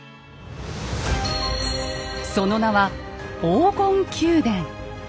その名は「黄金宮殿」。